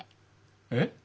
えっ？